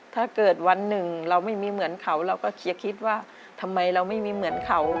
ถ้าเกิดวันหนึ่งเราไม่มีเหมือนเขาเราก็เคลียร์คิดว่าทำไมเราไม่มีเหมือนเขา